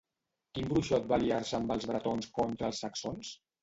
Quin bruixot va aliar-se amb els bretons contra els saxons?